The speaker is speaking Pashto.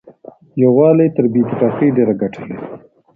يووالی تر بې اتفاقۍ ډېره ګټه لري.